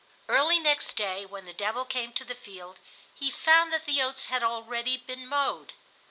Early next day, when the devil came to the field, he found that the oats had been already mowed.